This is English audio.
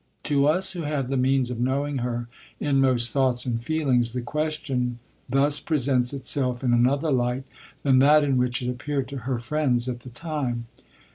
To us who have the means of knowing her inmost thoughts and feelings, the question thus presents itself in another light than that in which it appeared to her friends at the time.